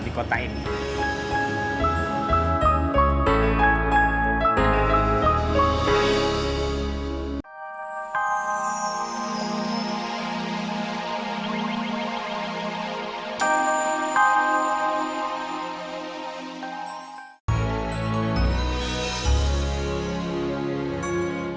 di kota ini